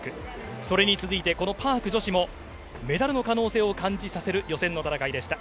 それに続いてパーク女子もメダルの可能性を感じさせる予選の戦いでした。